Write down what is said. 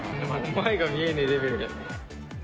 前が見えねえレベル。